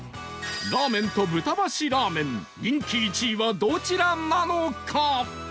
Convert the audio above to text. ラーメンと豚増しラーメン人気１位はどちらなのか？